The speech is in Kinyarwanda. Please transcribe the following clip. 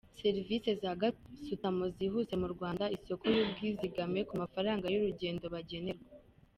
Serivisi za gasutamo zihuse mu Rwanda, isoko y’ubwizigame ku mafaranga y’urugendo bagenerwa.